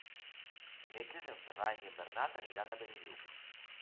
Dimecres en Ferran i en Bernat aniran a Benillup.